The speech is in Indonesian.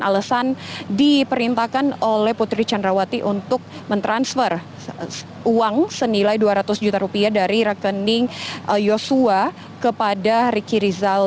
alasan diperintahkan oleh putri candrawati untuk mentransfer uang senilai dua ratus juta rupiah dari rekening joshua kepada riki rizal